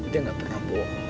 dia gak pernah bohong